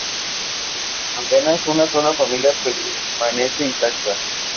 Apenas una sola familia permanece intacta.